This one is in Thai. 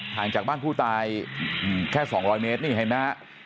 ห่างจากบ้านผู้ตายแค่๒๐๐เมตรนี่นะ